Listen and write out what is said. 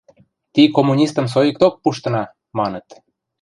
– Ти коммунистым соикток пуштына! – маныт.